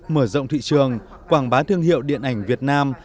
mở rộng thị trường quảng bá thương hiệu điện ảnh việt nam